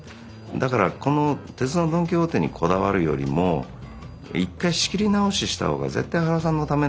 だからこの「鉄のドンキホーテ」にこだわるよりも一回仕切り直しした方が絶対原さんのためになるなと思ってね。